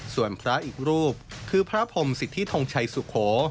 ส่วนพระอีกรูปคือพระพรมสิทธิทงชัยสุโข